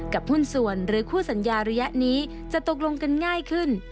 หุ้นส่วนหรือคู่สัญญาระยะนี้จะตกลงกันง่ายขึ้น